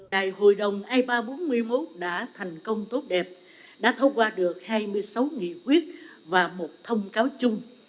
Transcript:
đại hội đồng ipa bốn mươi một đã thành công tốt đẹp đã thông qua được hai mươi sáu nghị quyết và một thông cáo chung